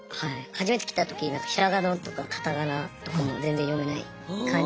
初めて来た時ひらがなとかカタカナとかも全然読めない感じで来て。